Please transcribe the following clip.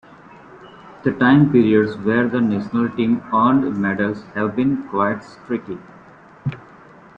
The time periods where the national team earned medals have been quite streaky.